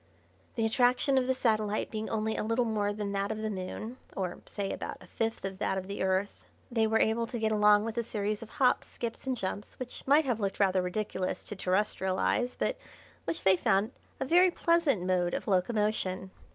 The attraction of the satellite being only a little more than that of the Moon or, say, about a fifth of that of the Earth they were able to get along with a series of hops, skips, and jumps which might have looked rather ridiculous to terrestrial eyes, but which they found a very pleasant mode of locomotion.